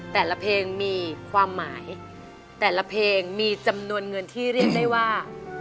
แต่ละเพลงมีความหมายแต่ละเพลงมีจำนวนเงินที่เรียกได้ว่า